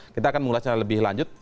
kita akan mengulasnya lebih lanjut